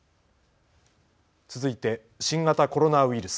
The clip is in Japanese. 続いて新型コロナウイルス。